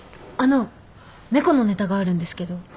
あの猫のネタがあるんですけど。